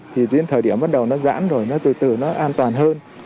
thì đến thời điểm bắt đầu nó giãn rồi nó từ từ nó an toàn hơn